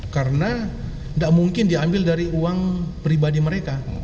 karena gak mungkin diambil dari uang pribadi mereka